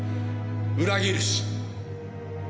裏切るし。